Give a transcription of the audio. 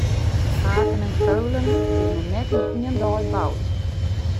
Aken en Keulen binne net yn ien dei boud.